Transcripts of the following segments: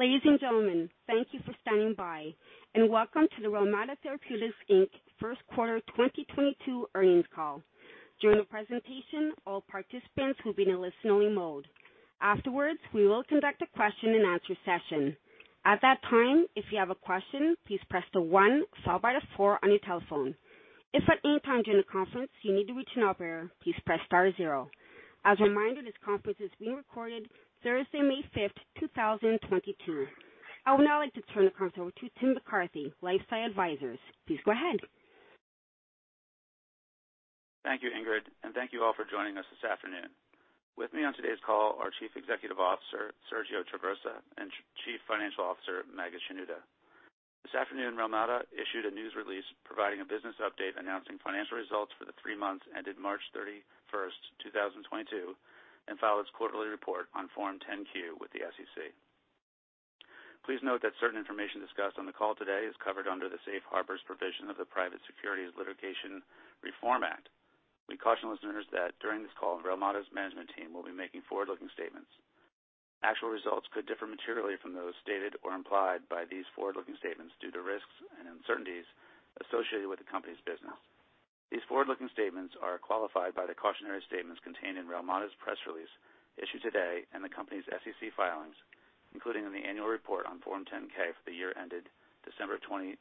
Ladies and gentlemen, thank you for standing by, and welcome to the Relmada Therapeutics, Inc. First Quarter 2022 Earnings Call. During the presentation, all participants will be in a listening mode. Afterwards, we will conduct a question-and-answer session. At that time, if you have a question, please press the one followed by the four on your telephone. If at any time during the conference you need to reach an operator, please press star zero. As a reminder, this conference is being recorded Thursday, May 5th, 2022. I would now like to turn the call over to Tim McCarthy, LifeSci Advisors. Please go ahead. Thank you, Ingrid, and thank you all for joining us this afternoon. With me on today's call are Chief Executive Officer, Sergio Traversa, and Chief Financial Officer, Maged Shenouda. This afternoon, Relmada issued a news release providing a business update announcing financial results for the three months ended March 31st, 2022, and filed its quarterly report on Form 10-Q with the SEC. Please note that certain information discussed on the call today is covered under the safe harbor provisions of the Private Securities Litigation Reform Act. We caution listeners that during this call, Relmada's management team will be making forward-looking statements. Actual results could differ materially from those stated or implied by these forward-looking statements due to risks and uncertainties associated with the company's business. These forward-looking statements are qualified by the cautionary statements contained in Relmada's press release issued today and the company's SEC filings, including in the annual report on Form 10-K for the year ended December 30th,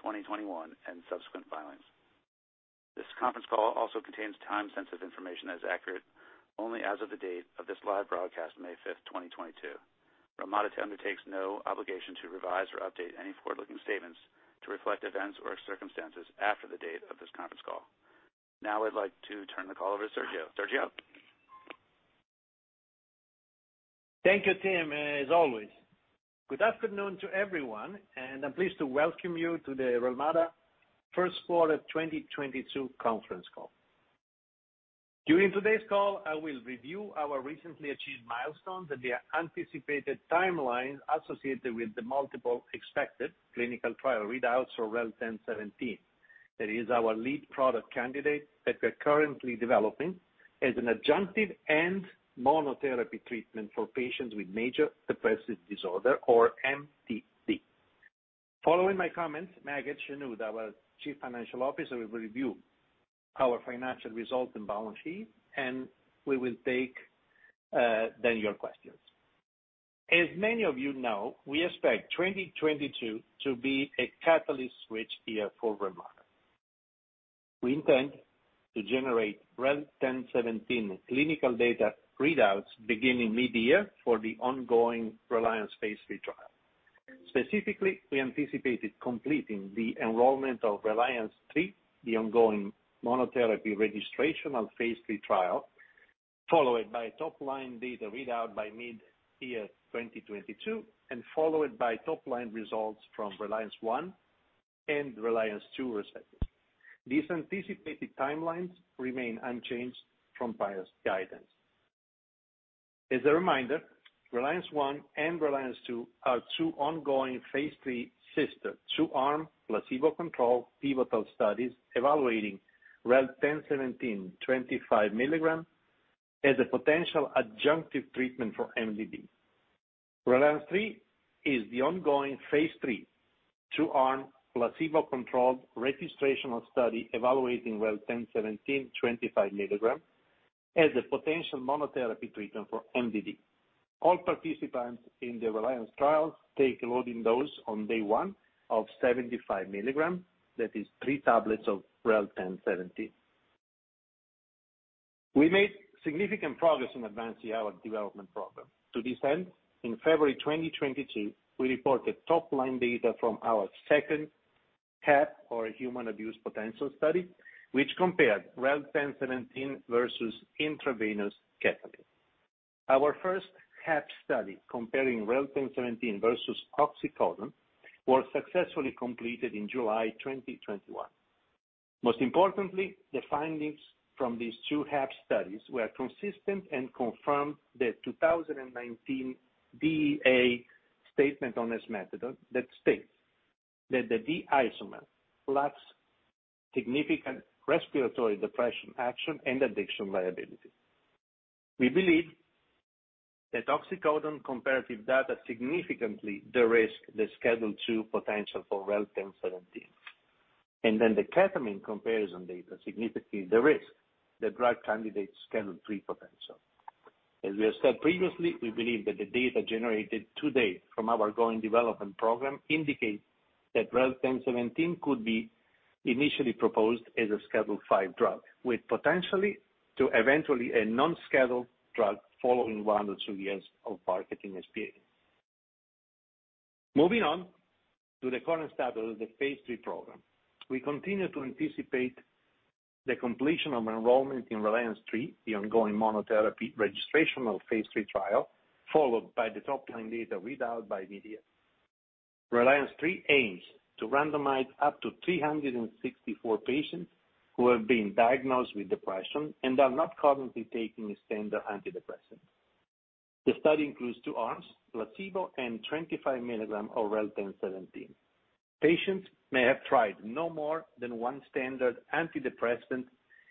2021, and subsequent filings. This conference call also contains time-sensitive information that is accurate only as of the date of this live broadcast, May 5th, 2022. Relmada undertakes no obligation to revise or update any forward-looking statements to reflect events or circumstances after the date of this conference call. Now I'd like to turn the call over to Sergio. Sergio? Thank you, Tim, as always. Good afternoon to everyone, and I'm pleased to welcome you to the Relmada First Quarter 2022 Conference Call. During today's call, I will review our recently achieved milestones and the anticipated timelines associated with the multiple expected clinical trial readouts for REL-1017. That is our lead product candidate that we're currently developing as an adjunctive and monotherapy treatment for patients with major depressive disorder, or MDD. Following my comments, Maged Shenouda, our Chief Financial Officer, will review our financial results and balance sheet, and then we will take your questions. As many of you know, we expect 2022 to be a catalyst switch year for Relmada. We intend to generate REL-1017 clinical data readouts beginning mid-year for the ongoing RELIANCE phase III trial. Specifically, we anticipated completing the enrollment of RELIANCE III, the ongoing monotherapy registrational phase III trial, followed by top-line data readout by mid-2022, and followed by top-line results from RELIANCE I and RELIANCE II respectively. These anticipated timelines remain unchanged from prior guidance. As a reminder, RELIANCE I and RELIANCE II are two ongoing phase III sister two-arm placebo-controlled pivotal studies evaluating REL-1017 25 milligrams as a potential adjunctive treatment for MDD. RELIANCE III is the ongoing phase III two-arm placebo-controlled registrational study evaluating REL-1017 25 milligrams as a potential monotherapy treatment for MDD. All participants in the RELIANCE trials take a loading dose on day one of 75 milligrams. That is three tablets of REL-1017. We made significant progress in advancing our development program. To this end, in February 2022, we reported top-line data from our second HAP, or Human Abuse Potential Study, which compared REL-1017 versus intravenous ketamine. Our first HAP study comparing REL-1017 versus oxycodone was successfully completed in July 2021. Most importantly, the findings from these two HAP studies were consistent and confirmed the 2019 DEA statement on esmethadone that states that the D isomer lacks significant respiratory depression action and addiction liability. We believe that oxycodone comparative data significantly de-risk the Schedule II potential for REL-1017, and then the ketamine comparison data significantly de-risk the drug candidate Schedule III potential. As we have said previously, we believe that the data generated to date from our ongoing development program indicates that REL-1017 could be initially proposed as a Schedule V drug, with potentially to eventually a non-scheduled drug following one or two years of marketing experience. Moving on to the current status of the phase III program. We continue to anticipate the completion of enrollment in RELIANCE III, the ongoing monotherapy registrational phase III trial, followed by the top-line data readout by midyear. RELIANCE III aims to randomize up to 364 patients who have been diagnosed with depression and are not currently taking a standard antidepressant. The study includes two arms, placebo and 25 milligrams of REL-1017. Patients may have tried no more than one standard antidepressant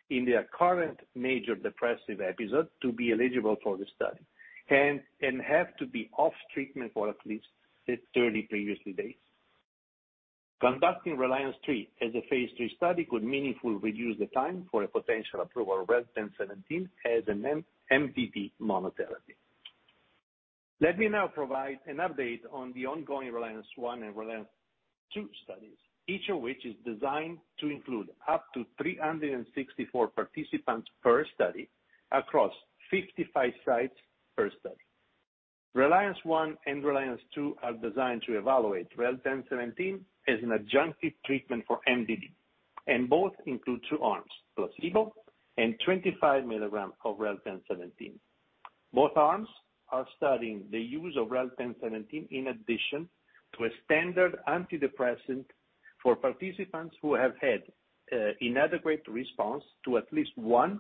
in their current major depressive episode to be eligible for the study and have to be off treatment for at least the 30 previous days. Conducting RELIANCE III as a phase III study could meaningfully reduce the time for a potential approval of REL-1017 as an MDD monotherapy. Let me now provide an update on the ongoing RELIANCE I and RELIANCE II studies, each of which is designed to include up to 364 participants per study across 55 sites per study. RELIANCE I and RELIANCE II are designed to evaluate REL-1017 as an adjunctive treatment for MDD, and both include two arms, placebo and 25 milligrams of REL-1017. Both arms are studying the use of REL-1017 in addition to a standard antidepressant for participants who have had inadequate response to at least one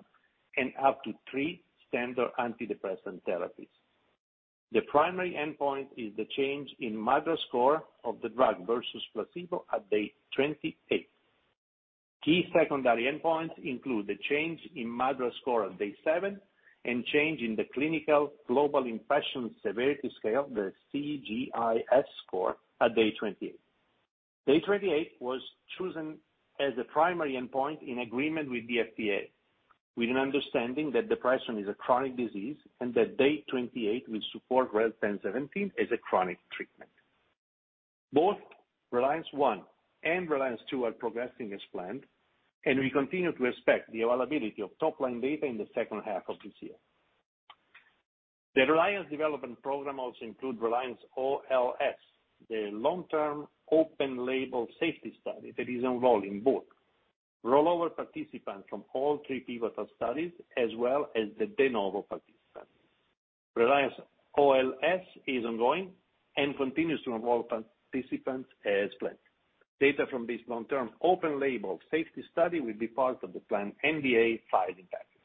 and up to three standard antidepressant therapies. The primary endpoint is the change in MADRS score of the drug versus placebo at day 28. Key secondary endpoints include the change in MADRS score on day seven and change in the Clinical Global Impression Severity Scale, the CGIS score, at day 28. Day 28 was chosen as a primary endpoint in agreement with the FDA, with an understanding that depression is a chronic disease and that day 28 will support REL-1017 as a chronic treatment. Both RELIANCE I and RELIANCE II are progressing as planned, and we continue to expect the availability of top-line data in the second half of this year. The RELIANCE development program also includes RELIANCE-OLS, the long-term open-label safety study that is enrolling both rollover participants from all three pivotal studies as well as the de novo participants. RELIANCE-OLS is ongoing and continues to enroll participants as planned. Data from this long-term open-label safety study will be part of the planned NDA filing package.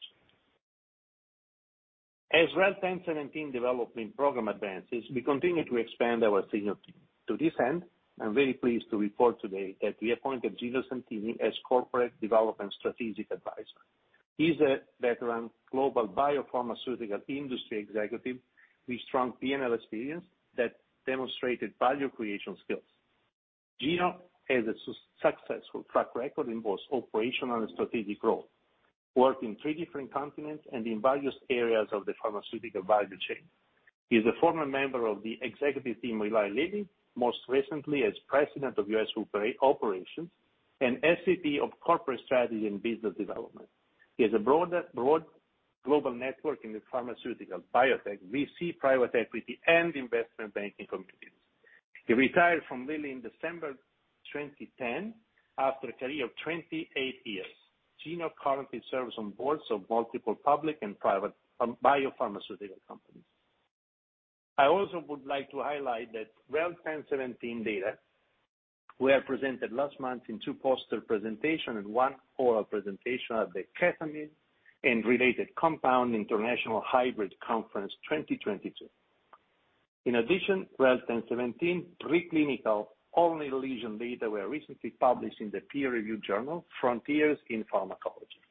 As REL-1017 development program advances, we continue to expand our senior team. To this end, I'm very pleased to report today that we appointed Gino Santini as corporate development strategic advisor. He's a veteran global biopharmaceutical industry executive with strong P&L experience that demonstrated value creation skills. Gino has a successful track record in both operational and strategic growth, worked in three different continents and in various areas of the pharmaceutical value chain. He is a former member of the executive team, Eli Lilly, most recently as President of U.S. Operations and SVP of Corporate Strategy and Business Development. He has a broad global network in the pharmaceutical biotech, VC, private equity, and investment banking communities. He retired from Lilly in December 2010 after a career of 28 years. Gino currently serves on boards of multiple public and private biopharmaceutical companies. I also would like to highlight that REL-1017 data were presented last month in two poster presentations and one oral presentation at the Ketamine & Related Compounds International Hybrid Conference 2022. In addition, REL-1017 preclinical Olney's lesion data were recently published in the peer-reviewed journal, Frontiers in Pharmacology.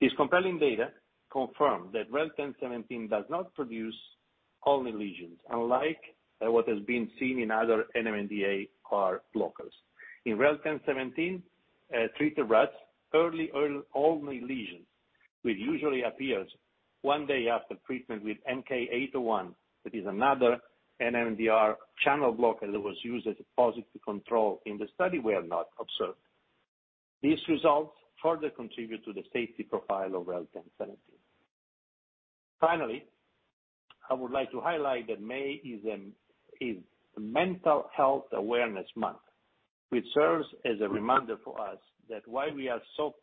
This compelling data confirmed that REL-1017 does not produce Olney's lesions, unlike what has been seen in other NMDA antagonists. In REL-1017 treated rats, Olney's lesions, which usually appear one day after treatment with MK-801, that is another NMDA channel blocker that was used as a positive control in the study, were not observed. These results further contribute to the safety profile of REL-1017. Finally, I would like to highlight that May is Mental Health Awareness Month, which serves as a reminder for us of why we are so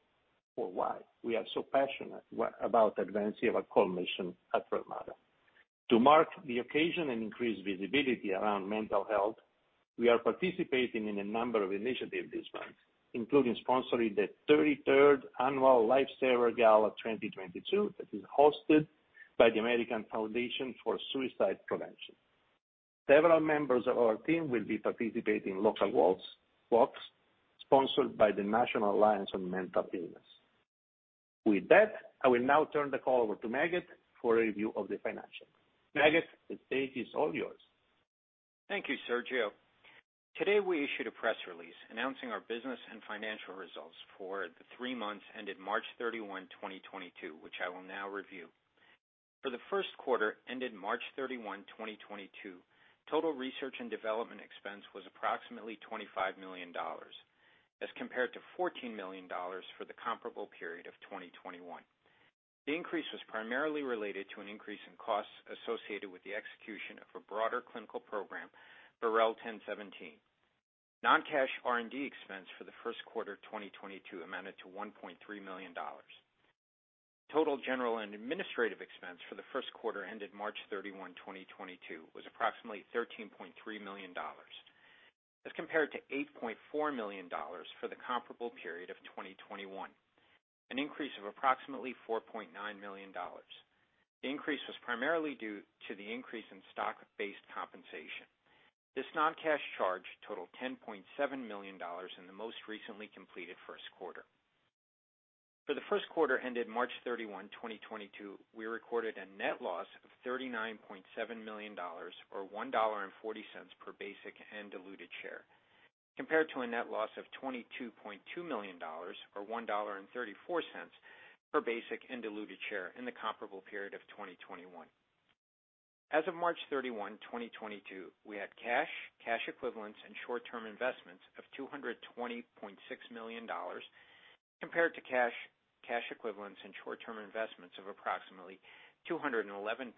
passionate about advancing our core mission at Relmada. To mark the occasion and increase visibility around mental health, we are participating in a number of initiatives this month, including sponsoring the 33rd Annual Lifesavers Gala 2022 that is hosted by the American Foundation for Suicide Prevention. Several members of our team will be participating in local walks sponsored by the National Alliance on Mental Illness. With that, I will now turn the call over to Maged for a review of the financials. Maged, the stage is all yours. Thank you, Sergio. Today, we issued a press release announcing our business and financial results for the three months ended March 31, 2022, which I will now review. For the first quarter ended March 31, 2022, total research and development expense was approximately $25 million as compared to $14 million for the comparable period of 2021. The increase was primarily related to an increase in costs associated with the execution of a broader clinical program for REL-1017. Non-cash R&D expense for the first quarter 2022 amounted to $1.3 million. Total general and administrative expense for the first quarter ended March 31, 2022 was approximately $13.3 million, as compared to $8.4 million for the comparable period of 2021. An increase of approximately $4.9 million. The increase was primarily due to the increase in stock-based compensation. This non-cash charge totaled $10.7 million in the most recently completed first quarter. For the first quarter ended March 31, 2022, we recorded a net loss of $39.7 million, or $1.40 per basic and diluted share, compared to a net loss of $22.2 million or $1.34 per basic and diluted share in the comparable period of 2021. As of March 31, 2022, we had cash equivalents and short-term investments of $220.6 million compared to cash equivalents, and short-term investments of approximately $211.9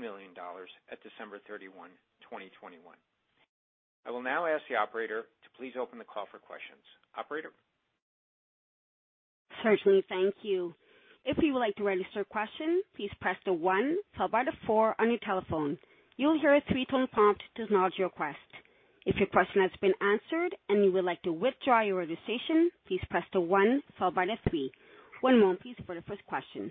million at December 31, 2021. I will now ask the operator to please open the call for questions. Operator? Certainly. Thank you. If you would like to register a question, please press the one followed by the four on your telephone. You'll hear a three-tone prompt to acknowledge your request. If your question has been answered and you would like to withdraw your registration, please press the one followed by the three. One moment please for the first question.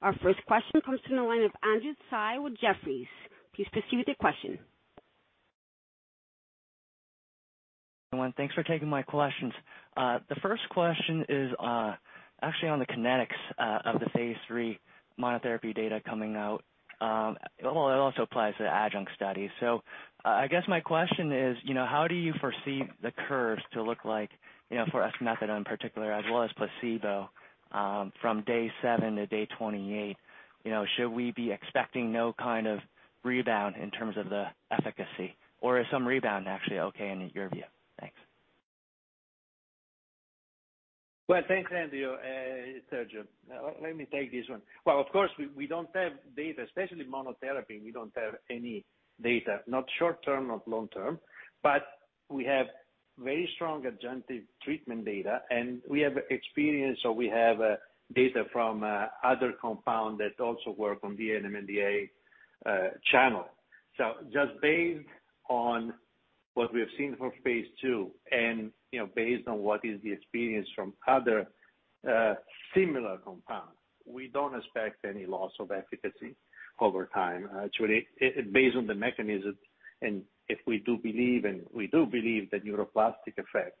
Our first question comes from the line of Andrew Tsai with Jefferies. Please proceed with your question. Thanks for taking my questions. The first question is actually on the kinetics of the phase III monotherapy data coming out. Well, it also applies to the adjunct study. I guess my question is, you know, how do you foresee the curves to look like, you know, for esketamine in particular as well as placebo, from day seven to day 28? You know, should we be expecting no kind of rebound in terms of the efficacy or is some rebound actually okay in your view? Thanks. Well, thanks, Andrew. Sergio, let me take this one. Well, of course, we don't have data, especially monotherapy. We don't have any data, not short-term, not long-term, but we have very strong adjunctive treatment data, and we have experience, so we have data from other compound that also work on the NMDA channel. Just based on what we have seen from phase II and, you know, based on what is the experience from other similar compounds, we don't expect any loss of efficacy over time. Actually, based on the mechanisms and if we do believe, and we do believe the neuroplastic effect,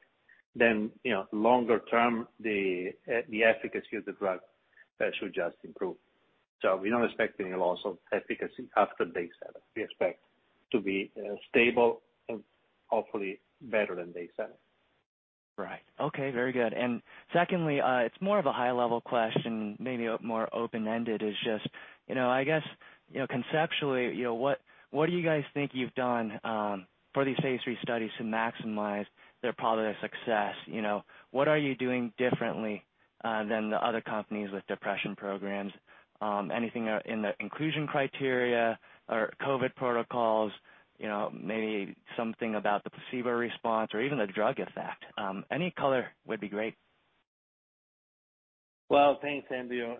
then, you know, longer term the efficacy of the drug should just improve. We don't expect any loss of efficacy after day seven. We expect to be stable and hopefully better than day seven. Right. Okay. Very good. Secondly, it's more of a high-level question, maybe more open-ended. It's just, you know, I guess, conceptually, you know, what do you guys think you've done for these phase III studies to maximize their product success? You know, what are you doing differently than the other companies with depression programs? Anything in the inclusion criteria or COVID protocols, you know, maybe something about the placebo response or even the drug effect? Any color would be great. Well, thanks, Andrew.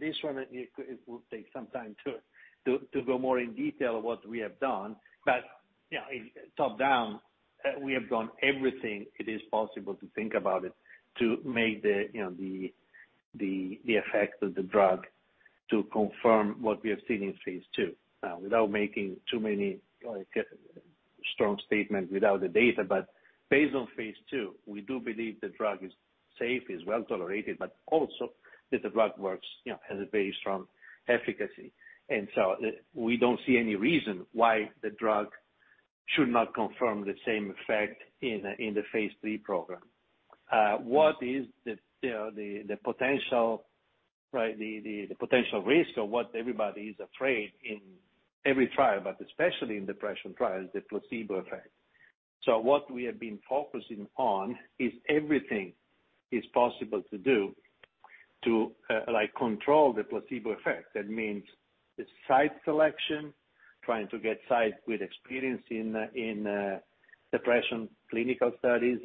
This one, it will take some time to go more in detail of what we have done. You know, top down, we have done everything it is possible to think about it to make the effect of the drug to confirm what we have seen in phase II. Without making too many, like, strong statements without the data, based on phase II, we do believe the drug is safe, is well tolerated, but also that the drug works, you know, has a very strong efficacy. We don't see any reason why the drug should not confirm the same effect in the phase III program. What is the, you know, potential, right, the potential risk of what everybody is afraid in every trial, but especially in depression trials, the placebo effect. What we have been focusing on is everything is possible to do to like control the placebo effect. That means the site selection, trying to get sites with experience in depression clinical studies,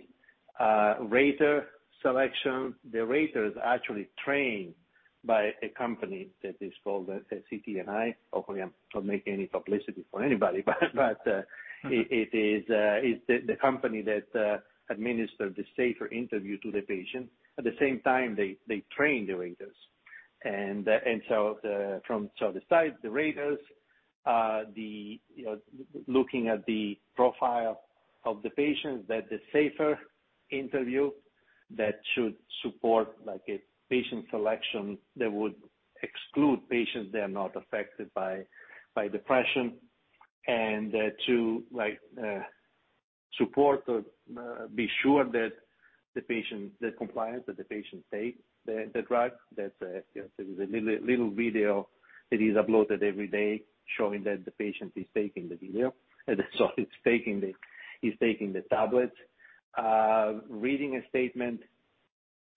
rater selection. The rater is actually trained by a company that is called CTNI. Hopefully, I'm not making any publicity for anybody. But it is the company that administer the SAFER interview to the patient. At the same time, they train the raters. The site, the raters, you know, looking at the profile of the patients that the SAFER interview that should support, like a patient selection that would exclude patients that are not affected by depression and to, like, support or be sure that the patient, the compliance that the patient takes the drug. That's, you know, there is a little video that is uploaded every day showing that the patient is taking the tablet. Reading a statement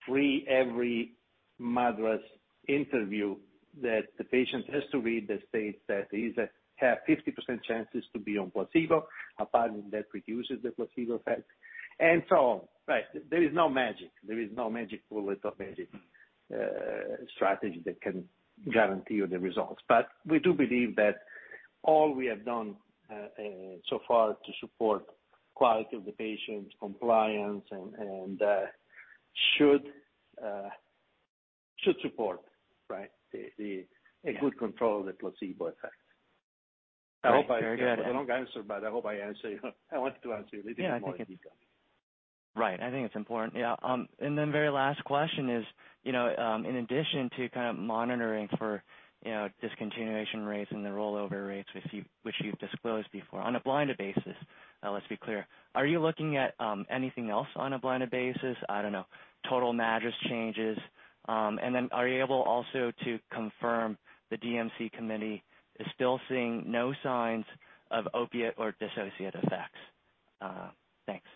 before every MADRS interview that the patient has to read that states that he has 50% chances to be on placebo, a pattern that reduces the placebo effect and so on, right. There is no magic. There is no magic bullet or magic strategy that can guarantee you the results. We do believe that all we have done so far to support quality of the patients, compliance and should support, right, the. Yeah. A good control of the placebo effect. Very good. I hope I don't answer, but I hope I answer you. I want to answer you. Maybe in more detail. Right. I think it's important. Very last question is, you know, in addition to kind of monitoring for, you know, discontinuation rates and the rollover rates which you've disclosed before on a blinded basis, let's be clear, are you looking at anything else on a blinded basis? I don't know, total MADRS changes. Are you able also to confirm the DMC committee is still seeing no signs of opiate or dissociative effects? Thanks.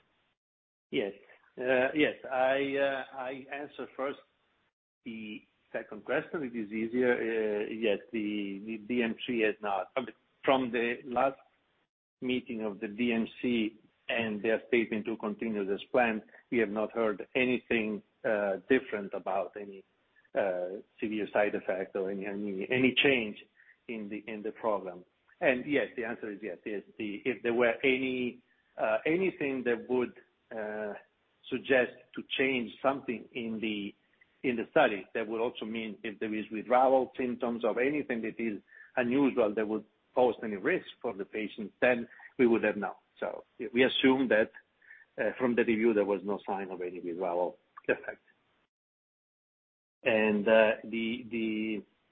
Yes. I answer first the second question. It is easier. Yes, the DMC has not. From the last meeting of the DMC and their statement to continue as planned, we have not heard anything different about any severe side effect or any change in the program. Yes, the answer is yes. If there were anything that would suggest to change something in the study, that would also mean if there is withdrawal symptoms of anything that is unusual that would pose any risk for the patients, then we would have known. We assume that, from the review, there was no sign of any withdrawal effects.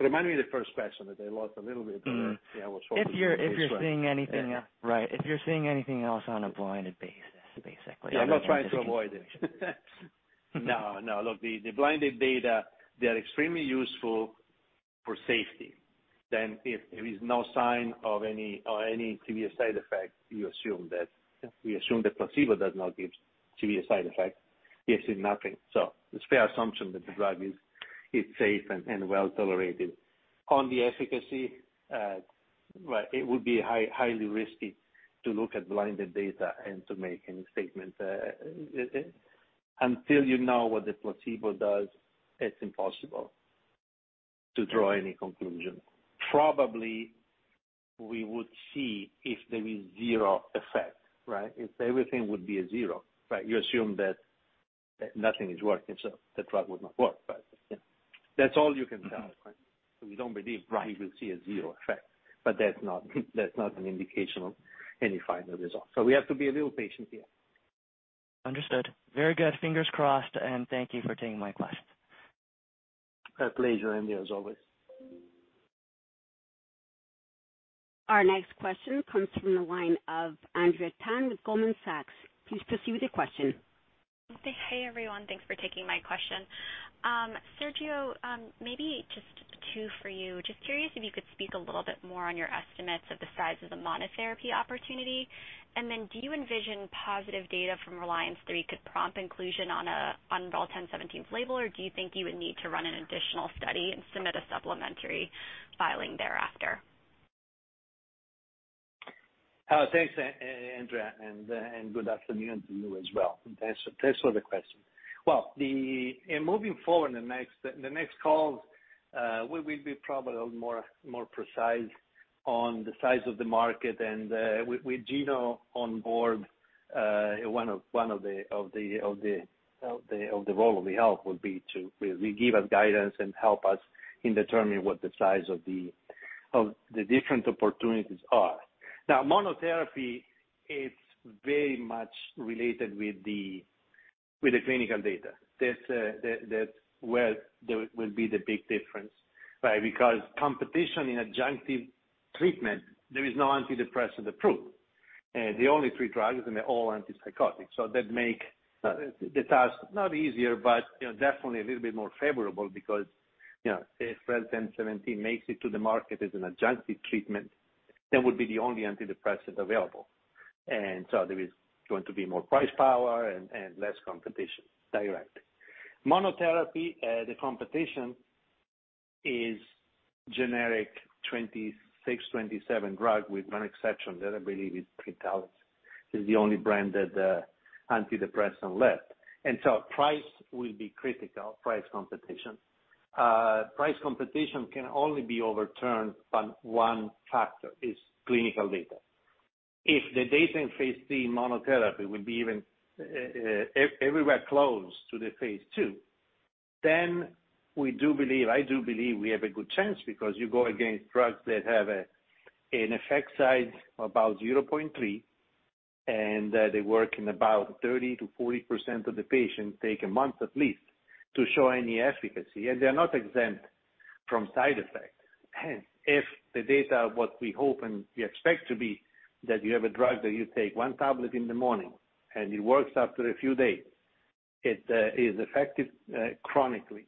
Remind me the first question that I lost a little bit there. Mm-hmm. Yeah, I was focused on the second one. If you're seeing anything, right. If you're seeing anything else on a blinded basis, basically. I'm not trying to avoid it. No, no. Look, the blinded data, they are extremely useful for safety. Then if there is no sign of any severe side effects, you assume that we assume the placebo does not give severe side effects. You see nothing. So it's fair assumption that the drug is safe and well tolerated. On the efficacy, well, it would be highly risky to look at blinded data and to make any statement. Until you know what the placebo does, it's impossible to draw any conclusion. Probably we would see if there is zero effect, right? If everything would be a zero, right? You assume that nothing is working, so the drug would not work. But yeah, that's all you can tell. Mm-hmm. We don't believe, right, we'll see a zero effect, but that's not an indication of any final results. We have to be a little patient here. Understood. Very good. Fingers crossed, and thank you for taking my questions. A pleasure, Andrew Tsai, as always. Our next question comes from the line of Andrea Tan with Goldman Sachs. Please proceed with your question. Hey, everyone. Thanks for taking my question. Sergio, maybe just two for you. Just curious if you could speak a little bit more on your estimates of the size of the monotherapy opportunity. Do you envision positive data from RELIANCE III could prompt inclusion on REL-1017's label, or do you think you would need to run an additional study and submit a supplementary filing thereafter? Thanks, Andrea, and good afternoon to you as well. Thanks. Thanks for the question. In moving forward, the next calls, we will be probably a little more precise on the size of the market and with Gino on board, one of the role he'll help would be to regive us guidance and help us in determining what the size of the different opportunities are. Now, monotherapy, it's very much related with the clinical data. That's where there will be the big difference, right? Because competition in adjunctive treatment, there is no antidepressant approved. The only three drugs and they're all antipsychotics. That makes the task not easier, but you know, definitely a little bit more favorable because you know, if REL-1017 makes it to the market as an adjunctive treatment, that would be the only antidepressant available. There is going to be more price power and less direct competition. Monotherapy, the competition is generic 26-27 drug with one exception that I believe is Pristiq, is the only branded antidepressant left. Price will be critical, price competition. Price competition can only be overturned by one factor, is clinical data. If the data in phase III monotherapy will be even everywhere close to the phase II, then we do believe, I do believe we have a good chance because you go against drugs that have a, an effect size of about 0.3 and they work in about 30%-40% of the patients, take a month at least to show any efficacy. They are not exempt from side effects. If the data, what we hope and we expect to be, that you have a drug that you take one tablet in the morning and it works after a few days, it is effective chronically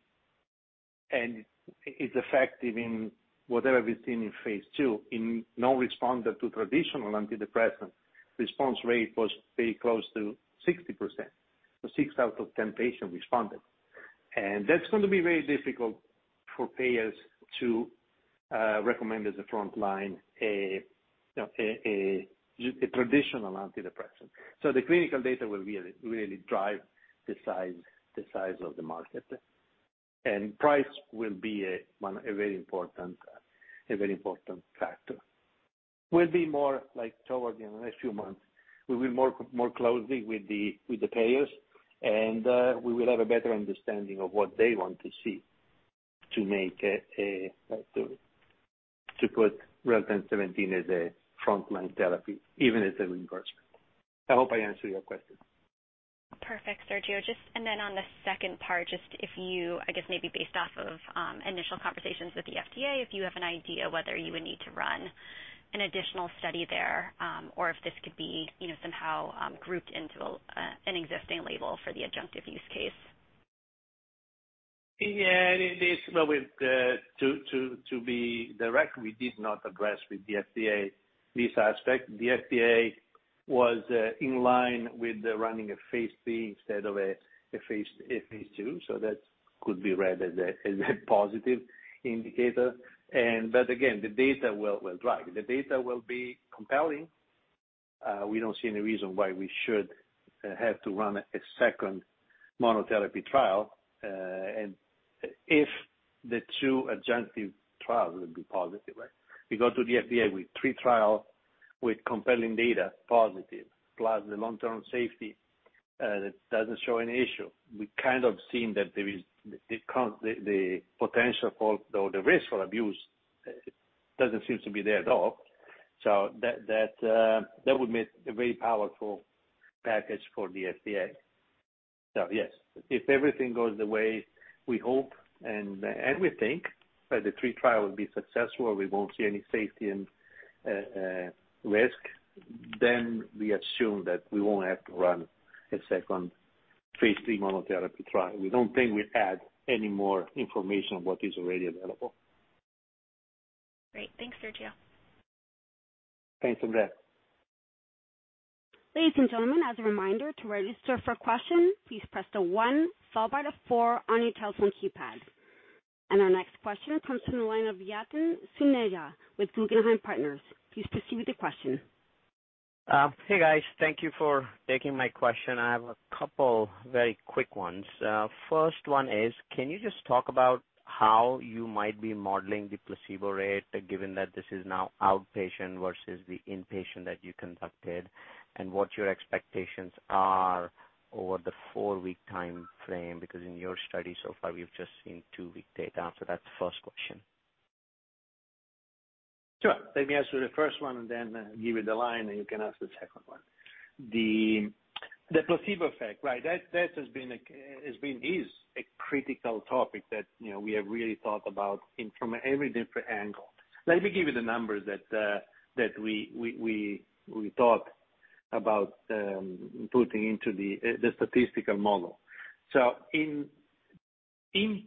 and it's effective in whatever we've seen in phase II. In non-responder to traditional antidepressant, response rate was very close to 60%. Six out of 10 patients responded. That's gonna be very difficult for payers to recommend as a frontline traditional antidepressant. The clinical data will really drive the size of the market. Price will be a very important factor. We'll be more closely with the payers, you know, in the next few months, and we will have a better understanding of what they want to see to put REL-1017 as a frontline therapy, even as a reimbursement. I hope I answered your question. Perfect, Sergio. Just and then on the second part, just if you, I guess maybe based off of initial conversations with the FDA, if you have an idea whether you would need to run an additional study there, or if this could be, you know, somehow grouped into an existing label for the adjunctive use case. Yeah. It is. Well, to be direct, we did not address with the FDA this aspect. The FDA was in line with running a phase III instead of a phase II, so that could be read as a positive indicator. Again, the data will drive. If the data will be compelling, we don't see any reason why we should have to run a second monotherapy trial. If the two adjunctive trials will be positive, right? We go to the FDA with three trials with compelling data, positive, plus the long-term safety that doesn't show any issue. We kind of seen that the potential for or the risk for abuse doesn't seem to be there at all. That would make a very powerful package for the FDA. Yes, if everything goes the way we hope and we think that the phase III trial will be successful and we won't see any safety and risk, then we assume that we won't have to run a second phase III monotherapy trial. We don't think we add any more information on what is already available. Great. Thanks, Sergio. Thanks, Andrea. Ladies and gentlemen, as a reminder to register for question, please press the one followed by the four on your telephone keypad. Our next question comes from the line of Yatin Suneja with Guggenheim Securities. Please proceed with the question. Hey, guys. Thank you for taking my question. I have a couple very quick ones. First one is, can you just talk about how you might be modeling the placebo rate, given that this is now outpatient versus the inpatient that you conducted, and what your expectations are over the four-week timeframe? Because in your study so far, we've just seen two-week data. That's the first question. Sure. Let me answer the first one and then give you the line, and you can ask the second one. The placebo effect, right? That is a critical topic that, you know, we have really thought about in from every different angle. Let me give you the numbers that we thought about putting into the statistical model. In-clinic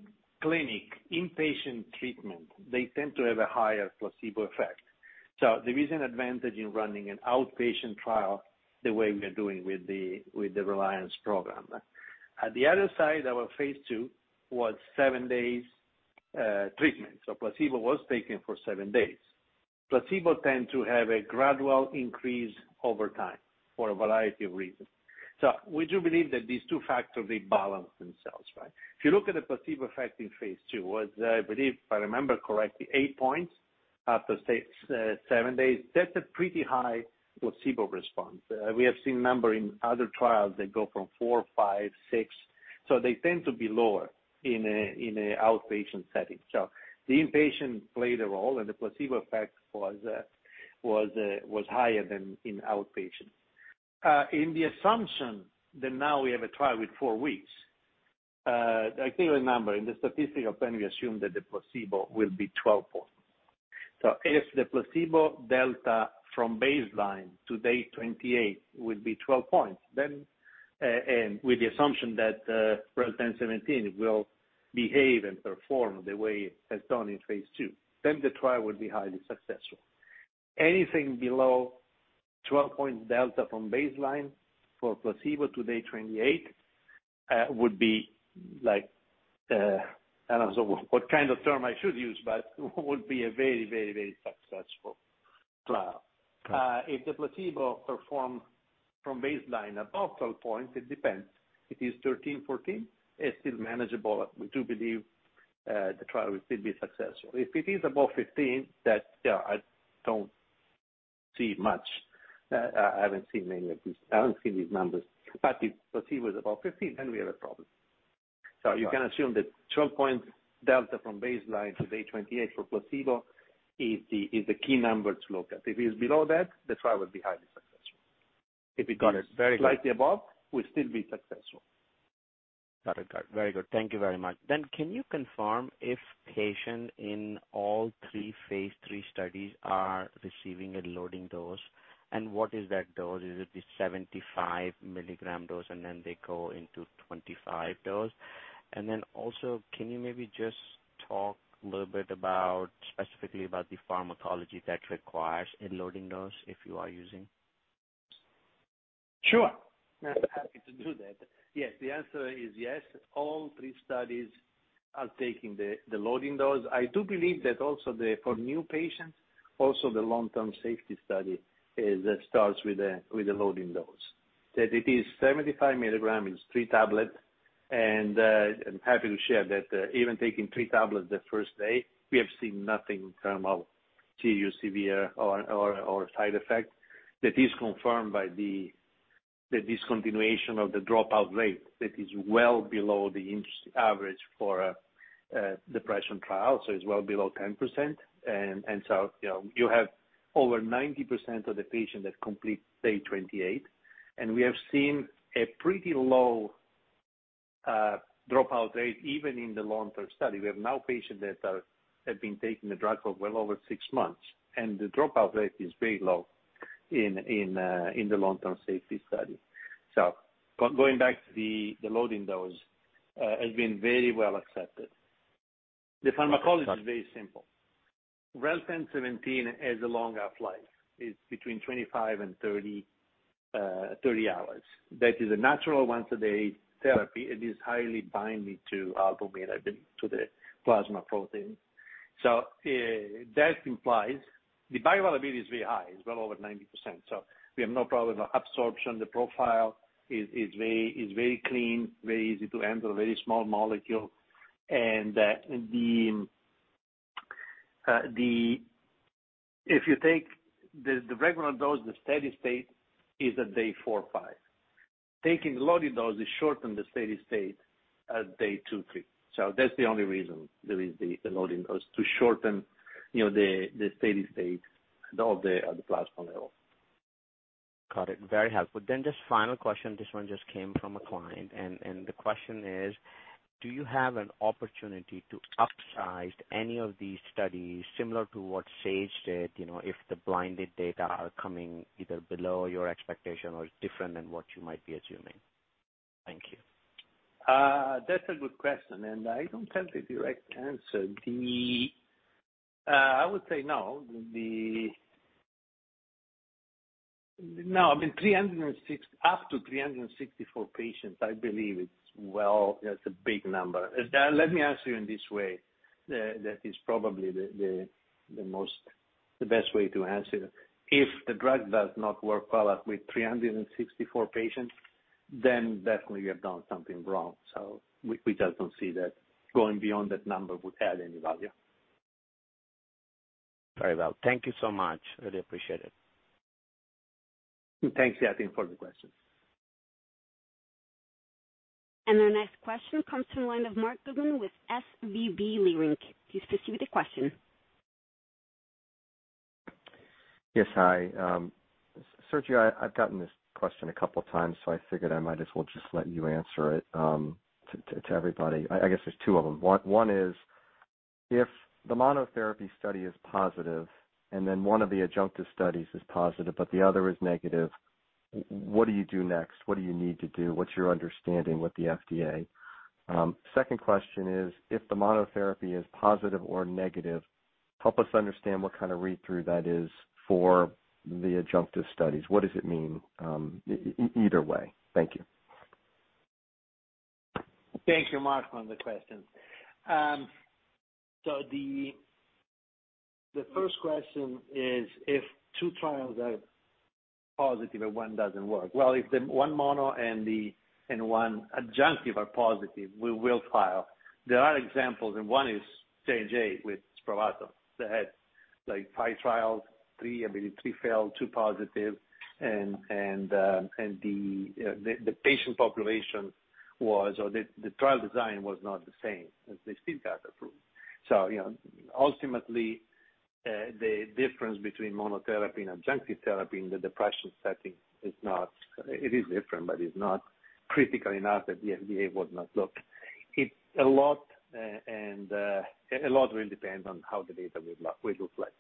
inpatient treatment, they tend to have a higher placebo effect. There is an advantage in running an outpatient trial the way we are doing with the RELIANCE program. On the other side, our phase II was seven days treatment. Placebo was taken for seven days. Placebo tend to have a gradual increase over time for a variety of reasons. We do believe that these two factors, they balance themselves, right? If you look at the placebo effect in phase II, was, I believe, if I remember correctly, eight points after six to seven days. That's a pretty high placebo response. We have seen numbers in other trials that go from four, five, six. They tend to be lower in an outpatient setting. The inpatient played a role and the placebo effect was higher than in outpatient. In the assumption that now we have a trial with four weeks, I think remember in the statistical plan, we assume that the placebo will be 12 points. If the placebo delta from baseline to day 28 would be 12 points then, and with the assumption that, REL-1017 will behave and perform the way it has done in phase II, then the trial will be highly successful. Anything below 12 points delta from baseline for placebo to day 28, would be like, I don't know what kind of term I should use, but would be a very successful trial. If the placebo performs from baseline above 12 points, it depends. If it's 13, 14, it's still manageable. We do believe, the trial will still be successful. If it is above 15, that, you know, I don't see much. I haven't seen many of these. I haven't seen these numbers. If placebo is above 15, then we have a problem. You can assume that 12-point delta from baseline to day 28 for placebo is the key number to look at. If it is below that, the trial will be highly successful. Got it. Very good. If it is slightly above, we'll still be successful. Got it. Very good. Thank you very much. Can you confirm if patient in all three phase III studies are receiving a loading dose, and what is that dose? Is it the 75 milligram dose and then they go into 25 dose? Can you maybe just talk a little bit about, specifically about the pharmacology that requires a loading dose if you are using? Sure. Happy to do that. Yes. The answer is yes. All three studies are taking the loading dose. I do believe that also for new patients, also the long-term safety study starts with a loading dose. That it is 75 milligrams is three tablets. I'm happy to share that even taking three tablets the first day, we have seen nothing in terms of serious, severe or side effects. That is confirmed by the discontinuation or dropout rate that is well below the industry average for depression trials. It's well below 10%. You know, you have over 90% of the patients that complete day 28. We have seen a pretty low dropout rate even in the long-term study. We have now patients that have been taking the drug for well over 6 months, and the dropout rate is very low in the long-term safety study. Going back to the loading dose has been very well accepted. The pharmacology is very simple. REL-1017 has a long half-life. It's between 25 and 30 hours. That is a natural once a day therapy. It is highly binding to albumin, I believe, to the plasma protein. That implies the bioavailability is very high. It's well over 90%, so we have no problem with absorption. The profile is very clean, very easy to handle, very small molecule. If you take the regular dose, the steady state is at day four or five. Taking loading dose is shorten the steady state at day two, three. That's the only reason there is the loading dose, to shorten, you know, the steady state of the plasma level. Got it. Very helpful. Just final question, this one just came from a client. The question is: Do you have an opportunity to upsize any of these studies similar to what Janssen did, you know, if the blinded data are coming either below your expectation or different than what you might be assuming? Thank you. That's a good question, and I don't have the direct answer. I would say no. I mean, 306 up to 364 patients, I believe is well, is a big number. Let me answer you in this way. That is probably the best way to answer. If the drug does not work well with 364 patients, then definitely we have done something wrong. We just don't see that going beyond that number would add any value. Very well. Thank you so much. Really appreciate it. Thanks, Yatin Suneja, for the question. Our next question comes from the line of Marc Goodman with SVB Leerink. Please proceed with the question. Yes. Hi. Sergio, I've gotten this question a couple times, so I figured I might as well just let you answer it, to everybody. I guess there's two of them. One is if the monotherapy study is positive and then one of the adjunctive studies is positive but the other is negative, what do you do next? What do you need to do? What's your understanding with the FDA? Second question is, if the monotherapy is positive or negative, help us understand what kind of read-through that is for the adjunctive studies. What does it mean, either way? Thank you. Thank you, Marc, on the question. The first question is if two trials are positive and one doesn't work. Well, if the one mono and one adjunctive are positive, we will file. There are examples and one is Janssen with Spravato that had like five trials, three, I believe, three failed, two positive and the patient population was or the trial design was not the same as they still got approved. You know, ultimately, the difference between monotherapy and adjunctive therapy in the depression setting is different, but it's not critical enough that the FDA would not look. It's a lot and a lot will depend on how the data will look like.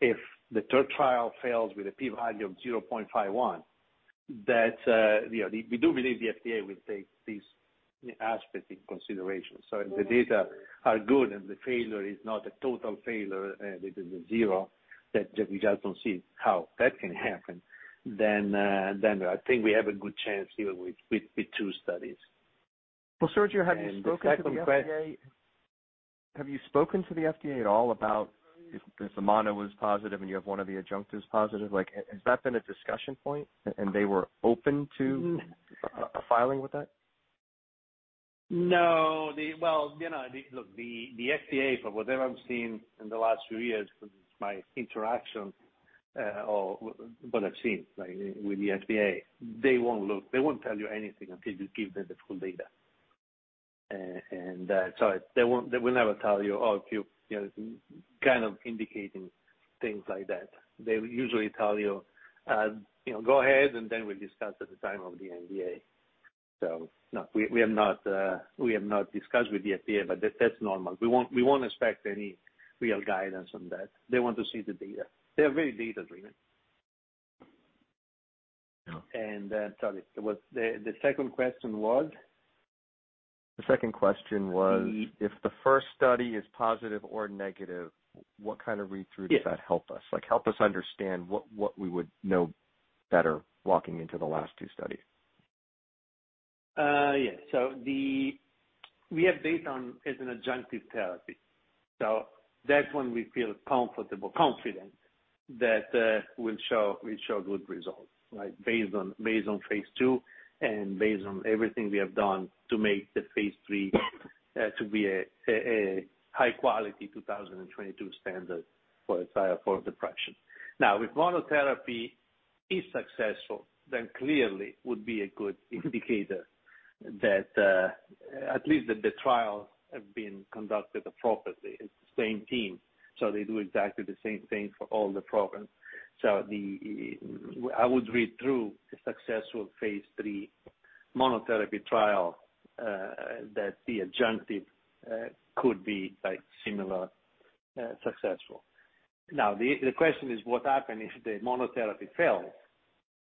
If the third trial fails with a p-value of 0.51, that, you know, we do believe the FDA will take these aspects into consideration. If the data are good and the failure is not a total failure, it is a zero that we just don't see how that can happen, then I think we have a good chance even with two studies. Well, Sergio, have you spoken to the FDA? And the second que- Have you spoken to the FDA at all about if the mono was positive and you have one of the adjunctive positive, like has that been a discussion point and they were open to filing with that? No. Well, you know, the FDA, from whatever I'm seeing in the last few years from my interaction, or what I've seen, like with the FDA, they won't look. They won't tell you anything until you give them the full data. They will never tell you, oh, if you know, kind of indicating things like that. They will usually tell you know, "Go ahead, and then we'll discuss at the time of the NDA." No, we have not discussed with the FDA, but that's normal. We won't expect any real guidance on that. They want to see the data. They're very data-driven. Yeah. Sorry, what's the second question was? The second question was. The- If the first study is positive or negative, what kind of readthrough? Yes. Does that help us? Like, help us understand what we would know better walking into the last two studies. Yeah. We have data on as an adjunctive therapy. That's when we feel comfortable, confident that we'll show good results, right? Based on phase II and based on everything we have done to make the phase III to be a high quality 2022 standard for a trial for depression. If monotherapy is successful, then clearly would be a good indicator that at least that the trials have been conducted appropriately. It's the same team, so they do exactly the same thing for all the programs. I would read through the successful phase III monotherapy trial that the adjunctive could be, like, similar successful. The question is, what happens if the monotherapy fails?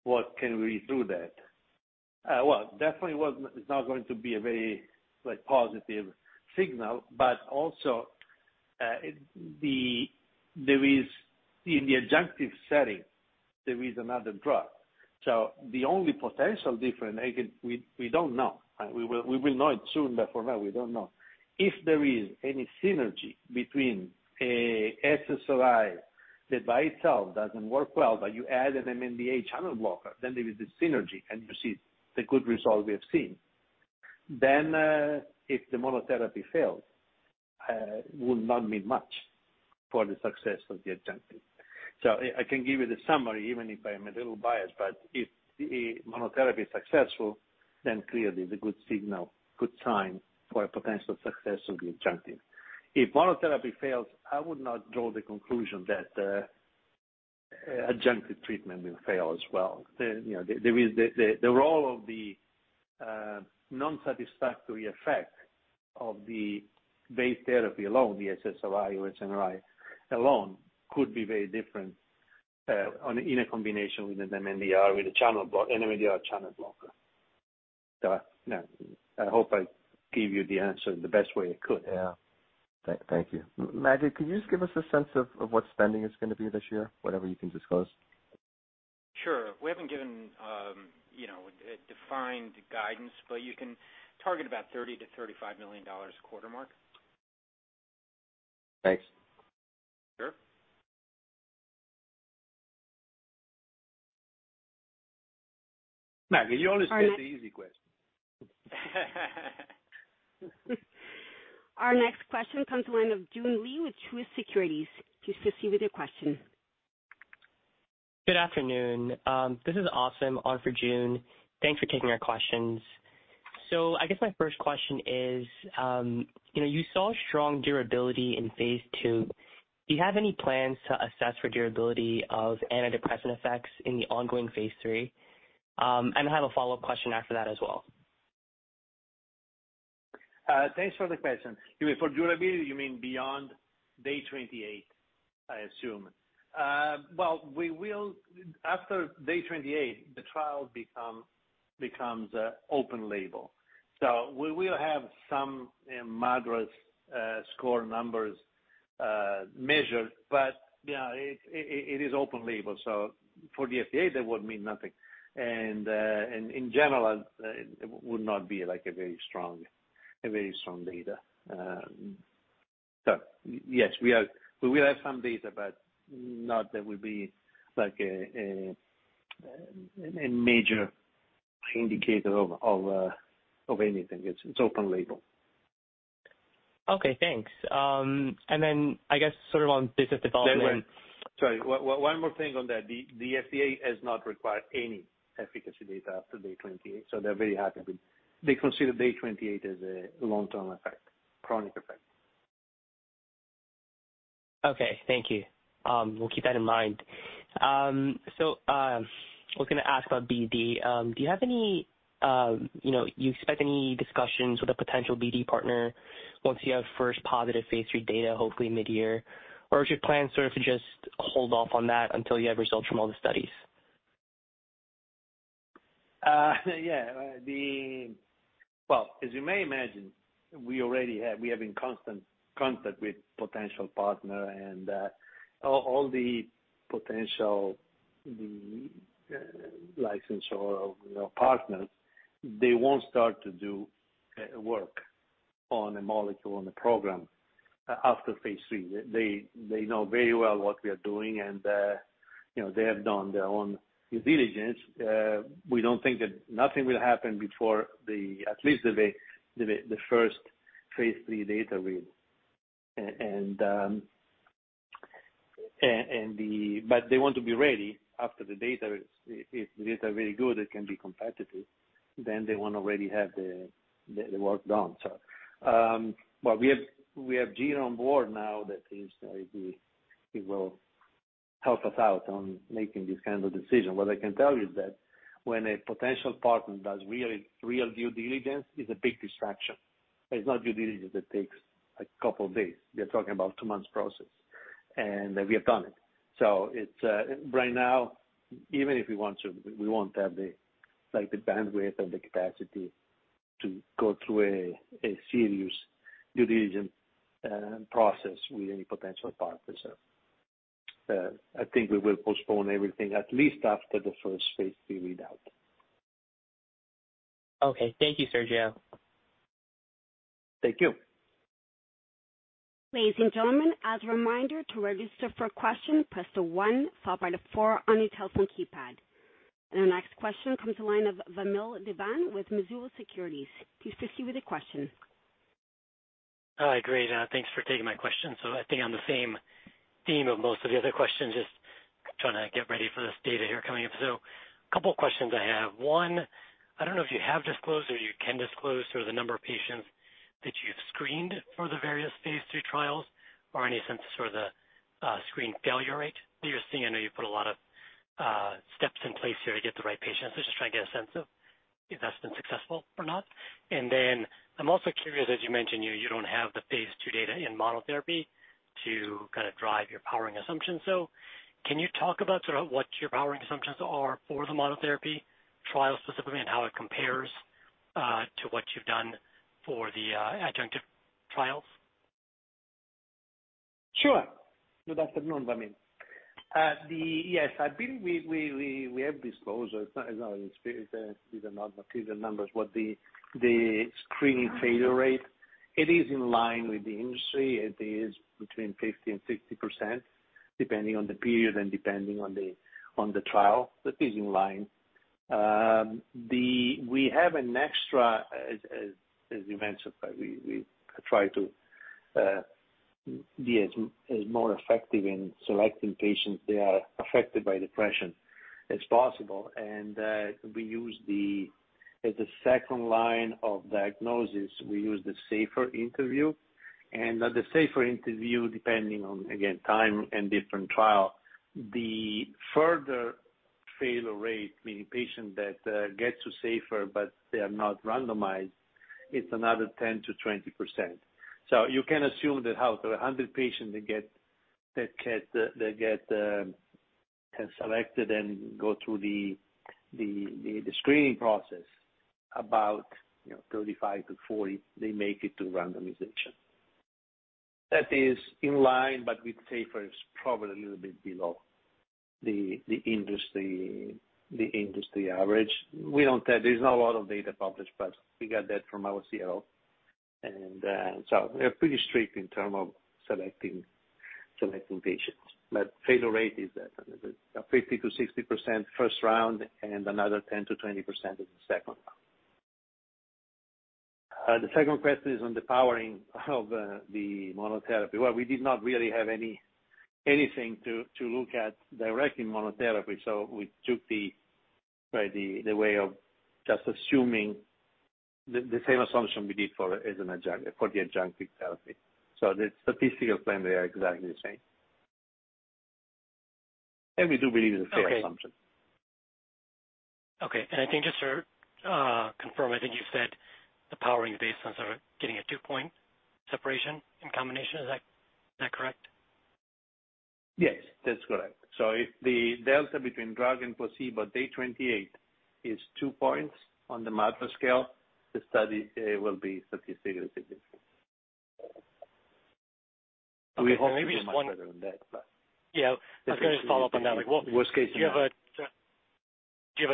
What can we do that? Well, definitely it's not going to be a very, like, positive signal, but also, there is in the adjunctive setting, there is another drug. The only potential difference, again, we don't know. We will know it soon, but for now we don't know. If there is any synergy between a SSRI that by itself doesn't work well, but you add an NMDA channel blocker, then there is this synergy and you see the good result we have seen. If the monotherapy fails, would not mean much for the success of the adjunctive. I can give you the summary even if I'm a little biased, but if the monotherapy is successful, clearly the good signal, good sign for a potential success of the adjunctive. If monotherapy fails, I would not draw the conclusion that adjunctive treatment will fail as well. You know, there is the role of the non-satisfactory effect of the base therapy alone, the SSRI or SNRI alone could be very different in the combination with an NMDA channel blocker. You know, I hope I gave you the answer the best way I could. Yeah. Thank you. Maged Shenouda, could you just give us a sense of what spending is gonna be this year? Whatever you can disclose. Sure. We haven't given, you know, a defined guidance, but you can target about $30 million-$35 million quarter mark. Thanks. Sure. Maged, you always get the easy question. Our next question comes in line of Joon Lee with Truist Securities. Please proceed with your question. Good afternoon. This is Jason on for Joon. Thanks for taking our questions. I guess my first question is, you know, you saw strong durability in phase II. Do you have any plans to assess for durability of antidepressant effects in the ongoing phase III? I have a follow-up question after that as well. Thanks for the question. You mean for durability beyond day 28, I assume. After day 28, the trial becomes open label. So we will have some moderate score numbers measured. You know, it is open label, so for the FDA that would mean nothing. In general, it would not be like a very strong data. Yes, we will have some data, but not that would be like a major indicator of anything. It's open label. Okay, thanks. I guess sort of on business development- Sorry, one more thing on that. The FDA has not required any efficacy data after day 28, so they're very happy. They consider day 28 as a long-term effect, chronic effect. Okay, thank you. We'll keep that in mind. I was gonna ask about BD. Do you have any, you know, you expect any discussions with a potential BD partner once you have first positive phase III data hopefully mid-year? Is your plan sort of to just hold off on that until you have results from all the studies? Yeah. Well, as you may imagine, we have in constant contact with potential partner and all the potential, the license or, you know, partners, they won't start to do work on a molecule on the program after phase III. They know very well what we are doing and, you know, they have done their own due diligence. We don't think that nothing will happen before at least the first phase III data readout. But they want to be ready after the data. If the data are very good, it can be competitive, then they wanna already have the work done. But we have Gino on board now that seems like he will help us out on making this kind of decision. What I can tell you is that when a potential partner does real due diligence, it's a big distraction. It's not due diligence that takes a couple of days. We are talking about two months process. We have done it. It's right now, even if we want to, we won't have the, like, the bandwidth and the capacity to go through a serious due diligence process with any potential partner. I think we will postpone everything at least after the first phase III readout. Okay. Thank you, Sergio. Thank you. Ladies and gentlemen, as a reminder to register for a question, press one followed by four on your telephone keypad. Our next question comes from the line of Vamil Divan with Mizuho Securities. Please proceed with your question. Hi. Great. Thanks for taking my question. I think on the same theme of most of the other questions, just trying to get ready for this data here coming up. A couple questions I have. One, I don't know if you have disclosed or you can disclose sort of the number of patients that you've screened for the various phase III trials or any sense of sort of the screen failure rate that you're seeing. I know you put a lot of steps in place here to get the right patients. Just trying to get a sense of if that's been successful or not. Then I'm also curious, as you mentioned, you don't have the phase II data in monotherapy to kind of drive your powering assumptions. Can you talk about sort of what your powering assumptions are for the monotherapy trial specifically and how it compares to what you've done for the adjunctive trials? Sure. Good afternoon, Vamil. Yes, I believe we have disclosed, it's not these are not the figures and numbers what the screening failure rate. It is in line with the industry. It is between 50% and 60%, depending on the period and depending on the trial. That is in line. We have an extra, as you mentioned, we try to be as more effective in selecting patients that are affected by depression as possible. We use the as a second line of diagnosis, we use the SAFER interview. The SAFER interview, depending on again time and different trial, the further failure rate, meaning patient that gets SAFER but they are not randomized, it's another 10%-20%. You can assume that out of 100 patients they get selected and go through the screening process about, you know, 35-40, they make it to randomization. That is in line, but with SAFER is probably a little bit below the industry average. We don't have. There's not a lot of data published, but we got that from our CRO. We are pretty strict in terms of selecting patients. Failure rate is that, a 50%-60% first round and another 10%-20% in the second round. The second question is on the powering of the monotherapy. Well, we did not really have anything to look at direct in monotherapy, so we took the right way of just assuming the same assumption we did for as an adjunct, for the adjunctive therapy. The statistical plan, they are exactly the same. We do believe it's a fair assumption. Okay. I think just to confirm, I think you said the powering is based on sort of getting a 2-point separation in combination. Is that correct? Yes, that's correct. If the delta between drug and placebo day 28 is two points on the MADRS scale, the study will be statistically significant. Okay. Yeah. I was gonna just follow up on that. Worst case. Do you have a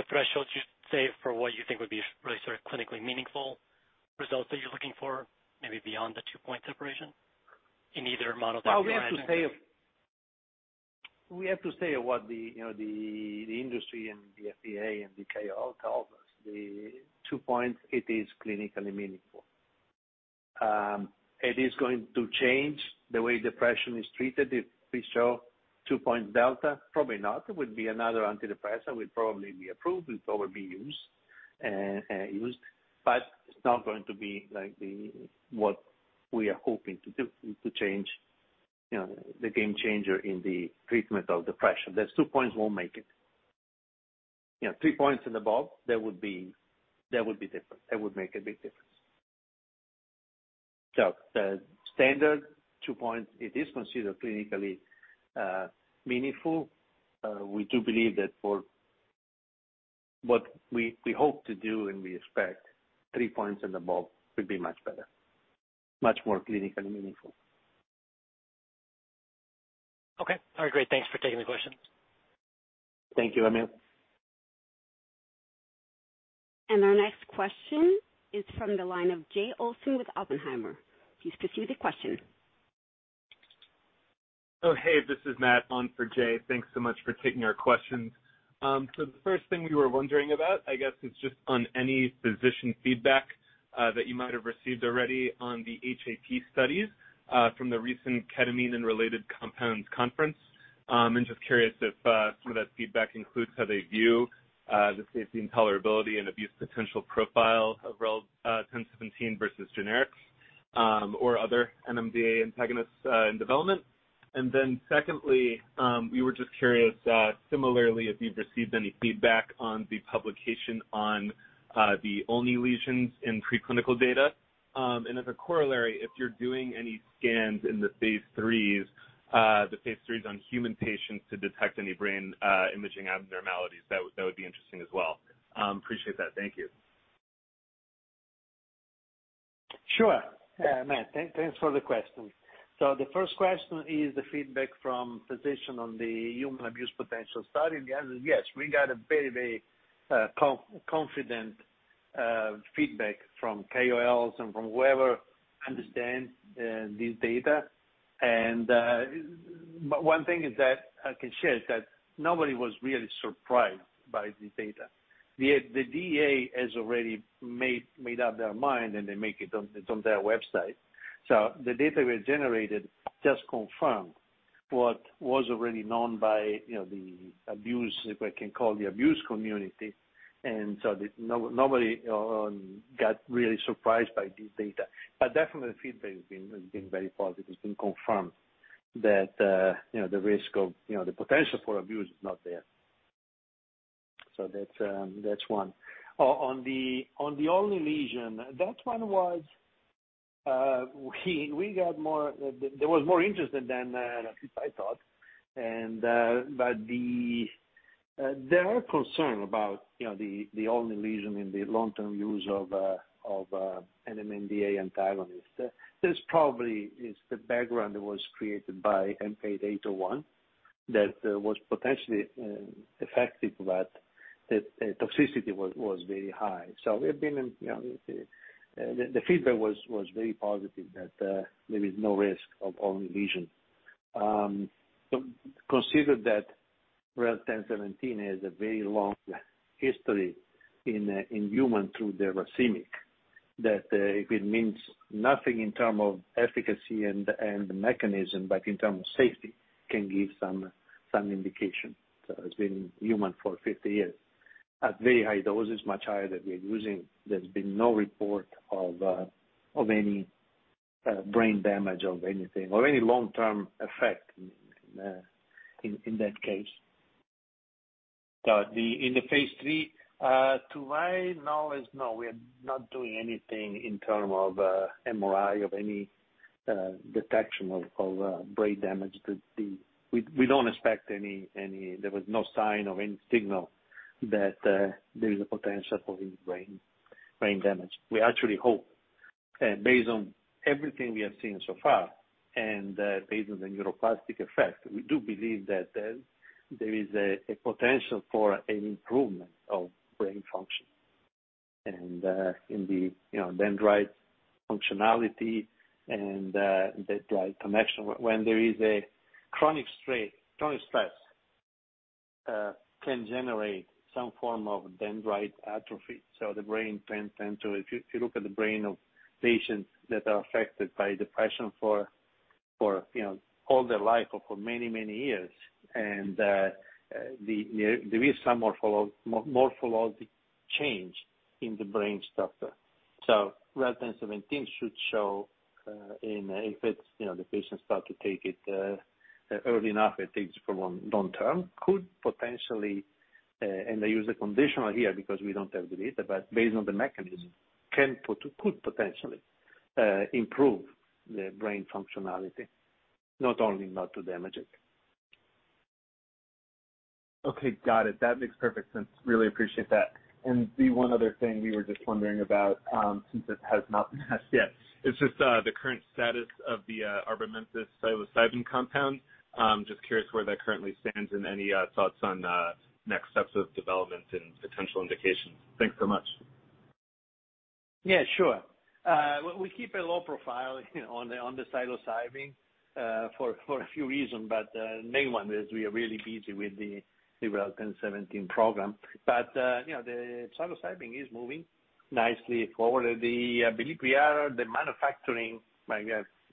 threshold you'd say for what you think would be really sort of clinically meaningful results that you're looking for maybe beyond the two-point separation in either monotherapy or adjunct? Well, we have to say what the industry and the FDA and the KOL tell us. The two points, it is clinically meaningful. It is going to change the way depression is treated. If we show two-point delta, probably not. It would be another antidepressant, will probably be approved, it will be used. But it's not going to be like what we are hoping to do, is to change, you know, the game changer in the treatment of depression. That two points won't make it. You know, three points and above, that would be different. That would make a big difference. The standard two points, it is considered clinically meaningful. We do believe that for what we hope to do and we expect three points and above would be much better, much more clinically meaningful. Okay. All right, great. Thanks for taking the question. Thank you, Vamil. Our next question is from the line of Jay Olson with Oppenheimer. Please proceed with your question. Oh, hey, this is Matt on for Jay. Thanks so much for taking our questions. So the first thing we were wondering about, I guess, is just on any physician feedback that you might have received already on the HAP studies from the recent Ketamine and Related Compounds Conference. Just curious if some of that feedback includes how they view the safety and tolerability and abuse potential profile of REL-1017 versus generics or other NMDA antagonists in development. Secondly, we were just curious, similarly if you've received any feedback on the publication on the Olney's lesions in preclinical data. As a corollary, if you're doing any scans in the phase III on human patients to detect any brain imaging abnormalities, that would be interesting as well. Appreciate that. Thank you. Sure. Yeah, Matt, thanks for the question. The first question is the feedback from physician on the human abuse potential study. The answer is yes, we got a very confident feedback from KOLs and from whoever understands this data. One thing is that I can share is that nobody was really surprised by this data. The DEA has already made up their mind, and they make it on, it's on their website. The data we generated just confirmed what was already known by, you know, the abuse, if I can call, the abuse community. Nobody got really surprised by this data. Definitely the feedback has been very positive. It's been confirmed that, you know, the risk of, you know, the potential for abuse is not there. That's one. On the Olney's lesions, there was more interest than at least I thought. But there are concerns about, you know, the Olney's lesions in the long-term use of NMDA antagonist. There's probably the background that was created by MK-801 that was potentially effective, but the toxicity was very high. The feedback was very positive that there is no risk of Olney's lesions. Consider that REL-1017 has a very long history in human through the racemic. That it means nothing in terms of efficacy and mechanism, but in terms of safety can give some indication. It's been in human for 50 years. At very high doses, much higher than we're using, there's been no report of any brain damage of anything or any long-term effect in that case. In the phase III, to my knowledge, no, we are not doing anything in terms of MRI of any detection of brain damage. We don't expect any. There was no sign of any signal that there is a potential for any brain damage. We actually hope, based on everything we have seen so far and, based on the neuroplastic effect, we do believe that there is a potential for an improvement of brain function and, you know, dendrite functionality and the neural connection. When there is a chronic strain, chronic stress can generate some form of dendrite atrophy. The brain can tend to. If you look at the brain of patients that are affected by depression for you know all their life or for many years, and there is some morphologic change in the brain structure. REL-1017 should show in if it's you know the patient start to take it early enough, it takes from long-term, could potentially, and I use the conditional here because we don't have the data, but based on the mechanism, could potentially improve the brain functionality, not only not to damage it. Okay, got it. That makes perfect sense. Really appreciate that. The one other thing we were just wondering about, since it has not been asked yet is just, the current status of the, REL-P11 psilocybin compound. Just curious where that currently stands and any, thoughts on, next steps of development and potential indications. Thanks so much. Yeah, sure. We keep a low profile on the psilocybin for a few reasons, main one is we are really busy with the REL-1017 program. You know, the psilocybin is moving nicely forward. I believe we're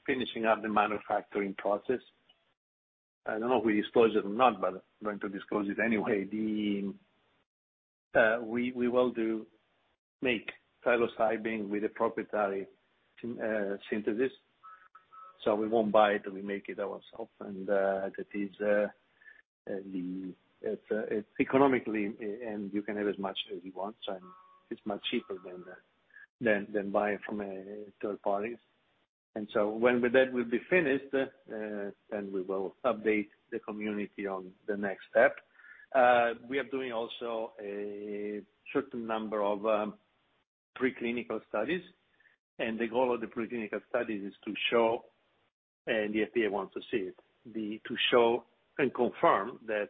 finishing up the manufacturing process. I don't know if we disclose it or not, but I'm going to disclose it anyway. We will make psilocybin with a proprietary synthesis. So we won't buy it. We make it ourselves. It's economical and you can have as much as you want, and it's much cheaper than buying from third parties. When that is finished, we will update the community on the next step. We are doing also a certain number of preclinical studies and the goal of the preclinical studies is to show, and the FDA wants to see it, to show and confirm that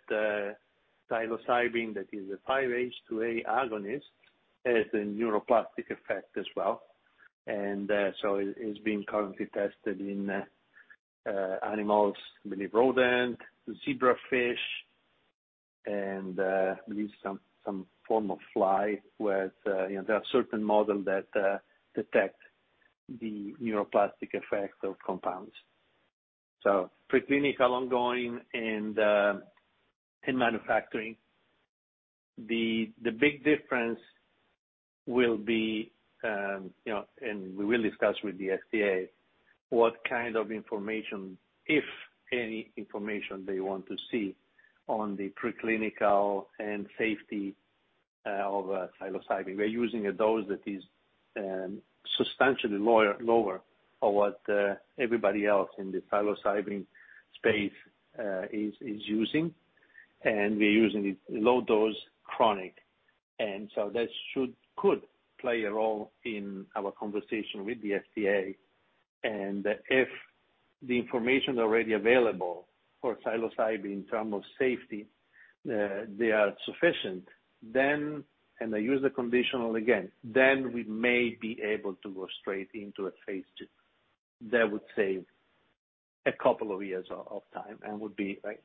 psilocybin that is a 5-HT2A agonist has a neuroplastic effect as well. It's being currently tested in animals, I believe rodent, zebrafish and I believe some form of fly with, you know, there are certain model that detect the neuroplastic effects of compounds. Preclinical ongoing and in manufacturing. The big difference will be, you know, and we will discuss with the FDA what kind of information, if any information they want to see on the preclinical and safety of psilocybin. We're using a dose that is substantially lower than what everybody else in the psilocybin space is using. We're using it low dose chronic. That could play a role in our conversation with the FDA. If the information already available for psilocybin in terms of safety they are sufficient then, and I use the conditional again, then we may be able to go straight into a phase II. That would save a couple of years of time and would be like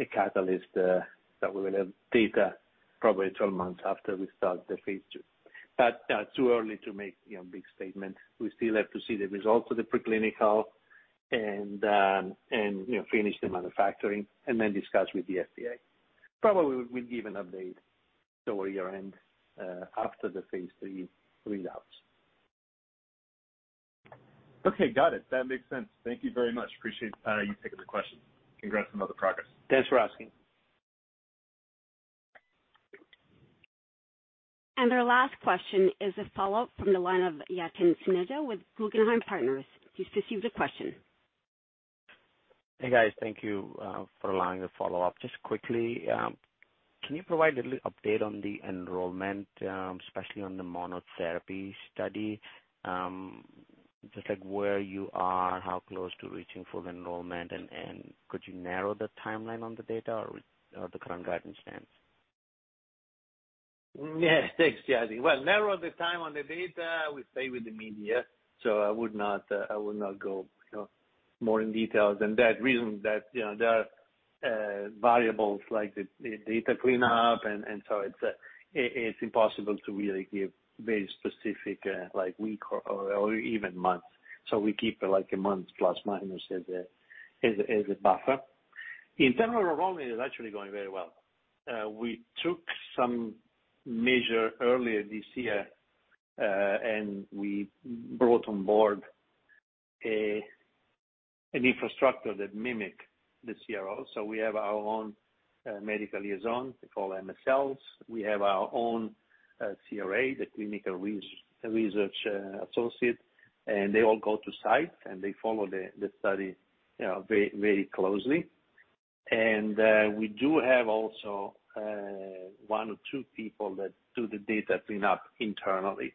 a catalyst that we will have data probably 12 months after we start the phase II. Too early to make, you know, big statement. We still have to see the results of the preclinical and you know finish the manufacturing and then discuss with the FDA. Probably, we'll give an update toward year-end, after the phase III readouts. Okay, got it. That makes sense. Thank you very much. Appreciate, you taking the question. Congrats on all the progress. Thanks for asking. Our last question is a follow-up from the line of Yatin Suneja with Guggenheim Securities. Please proceed with the question. Hey, guys. Thank you for allowing the follow-up. Just quickly, can you provide a little update on the enrollment, especially on the monotherapy study? Just like where you are, how close to reaching full enrollment and could you narrow the timeline on the data or the current guidance stance? Yeah. Thanks, Yatin. Well, narrow the timeline on the data, we stay with the median, so I would not go, you know, more into details. The reason that, you know, there are variables like the data cleanup and so it's impossible to really give very specific like week or even months. So we keep like a month plus minus as a buffer. In terms of enrollment is actually going very well. We took some measures earlier this year, and we brought on board an infrastructure that mimics the CRO. So we have our own medical liaison. They call MSLs. We have our own CRA, the clinical research associate, and they all go to site, and they follow the study, you know, very closely. We do have also one or two people that do the data cleanup internally.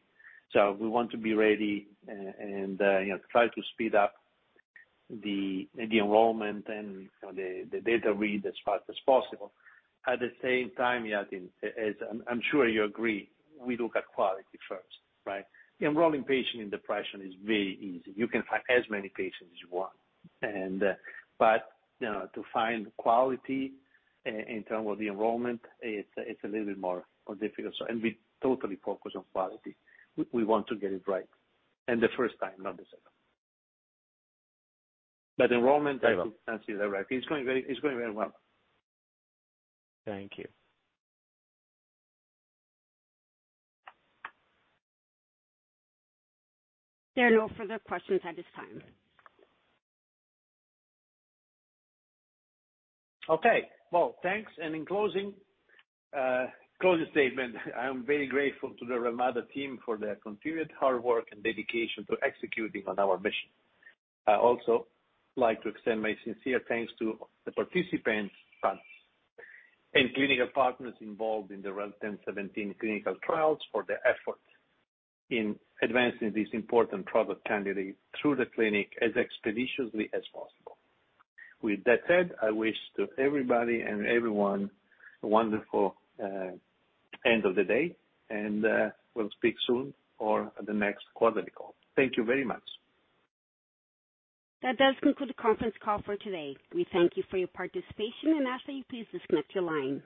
We want to be ready and you know, try to speed up the enrollment and you know, the data read as fast as possible. At the same time, Yatin, as I'm sure you agree, we look at quality first, right? Enrolling patient in depression is very easy. You can find as many patients as you want. But you know, to find quality in term of the enrollment, it's a little bit more difficult. So we totally focus on quality. We want to get it right the first time, not the second. But enrollment, I can see that right. It's going very well. Thank you. There are no further questions at this time. Okay. Well, thanks. In closing statement, I'm very grateful to the Relmada team for their continued hard work and dedication to executing on our mission. I also like to extend my sincere thanks to the participants, partners and clinical partners involved in the REL-1017 clinical trials for their efforts in advancing this important product candidate through the clinic as expeditiously as possible. With that said, I wish to everybody and everyone a wonderful end of the day and we'll speak soon or at the next quarterly call. Thank you very much. That does conclude the conference call for today. We thank you for your participation and ask that you please disconnect your line.